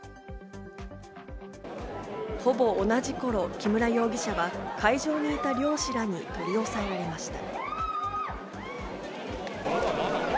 ほぼ同じ頃、木村容疑者は会場にいた漁師らに取り押さえられました。